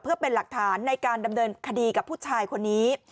เพื่อเป็นหลักฐานในการดำเนินคดีกับผู้ชายคนนี้